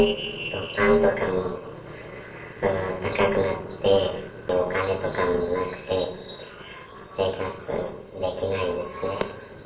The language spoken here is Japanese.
パンとかも高くなって、お金とかもなくて、生活できないですね。